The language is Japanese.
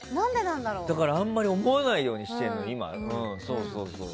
だから、あまり思わないようにしているの今。